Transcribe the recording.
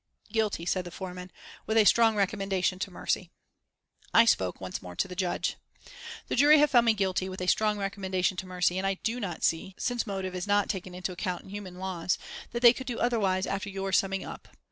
"Guilty," said the foreman, "with a strong recommendation to mercy." I spoke once more to the Judge. "The jury have found me guilty, with a strong recommendation to mercy, and I do not see, since motive is not taken into account in human laws, that they could do otherwise after your summing up.